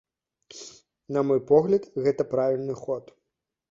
На мой погляд, гэта правільны ход.